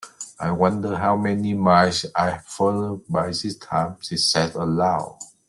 ‘I wonder how many miles I’ve fallen by this time?’ she said aloud.